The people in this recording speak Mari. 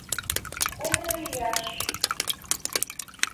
Кумло ияш...